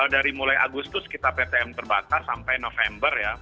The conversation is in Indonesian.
dari mulai agustus kita ptm terbatas sampai november ya